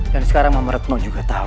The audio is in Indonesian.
dan sekarang mama retno juga tahu